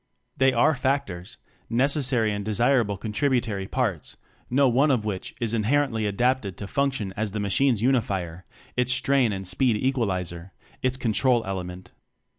They are factors, necessary and desir able contributary parts, no one of which is inherently adapted to func tion as the machine's unifier, its strain and speed equalizer its control ele ment.